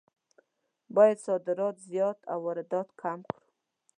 باید صادرات زیات او واردات کم کړو.